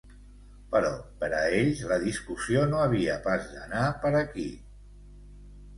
Però per a ells la discussió no havia pas d'anar per aquí.